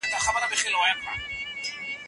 موږ د غنمو له حاصلاتو څخه ډیره ډوډۍ جوړوو.